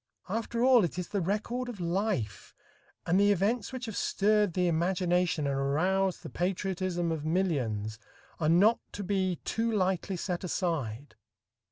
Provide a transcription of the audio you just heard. After all, it is the record of life, and the events which have stirred the imagination and aroused the patriotism of millions are not to be too lightly set aside.